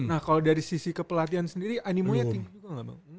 nah kalau dari sisi kepelatihan sendiri animonya tinggi bang